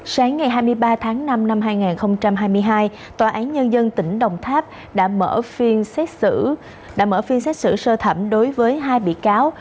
sáng ngày hai mươi ba tháng năm năm hai nghìn hai mươi hai tòa án nhân dân tỉnh đồng tháp đã mở phiên xét xử sơ thẩm đối với hai bị cáo